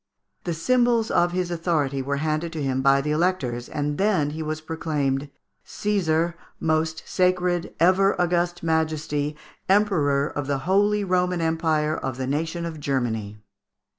The symbols of his authority were handed to him by the Electors, and then he was proclaimed, "Cæsar, most sacred, ever august Majesty, Emperor, of the Holy Roman Empire of the nation of Germany."